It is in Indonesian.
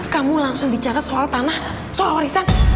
kamu langsung bicara soal tanah soal warisan